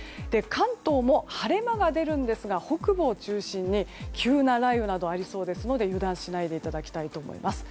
関東も晴れ間が出るんですが北部を中心に急な雷雨などありそうですので油断しないでいただきたいと思います。